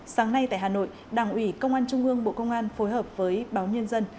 sáng nay tại hà nội đảng ủy công an trung ương bộ công an phối hợp với báo nhân dân